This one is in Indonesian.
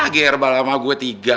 kaya herbalama gue tiga